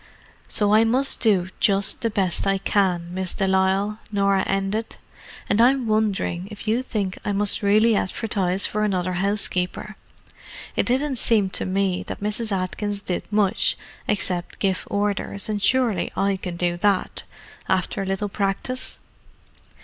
"So I must do just the best I can, Miss de Lisle," Norah ended. "And I'm wondering if you think I must really advertise for another housekeeper. It didn't seem to me that Mrs. Atkins did much except give orders, and surely I can do that, after a little practice."